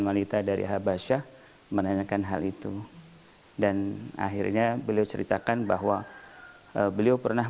wanita dari habasyah menanyakan hal itu dan akhirnya beliau ceritakan bahwa beliau pernah